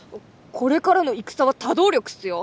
これからの戦は多動力っすよ！